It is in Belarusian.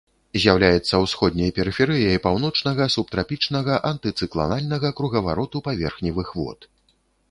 З'яўляецца ўсходняй перыферыяй паўночнага субтрапічнага антыцыкланальнага кругавароту паверхневых вод.